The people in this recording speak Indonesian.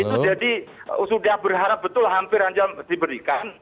itu jadi sudah berharap betul hampir aja diberikan